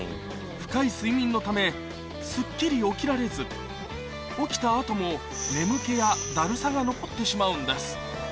深い睡眠のためすっきり起きられず起きた後もが残ってしまうんです